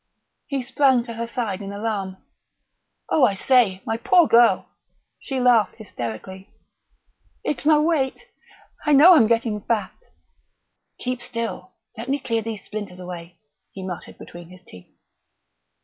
He sprang to her side in alarm. "Oh, I say! My poor girl!" She laughed hysterically. "It's my weight I know I'm getting fat " "Keep still let me clear these splinters away," he muttered between his teeth.